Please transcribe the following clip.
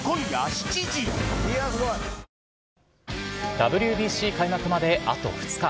ＷＢＣ開幕まであと２日。